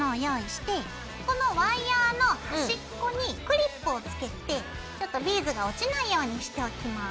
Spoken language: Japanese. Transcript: このワイヤーの端っこにクリップをつけてちょっとビーズが落ちないようにしておきます。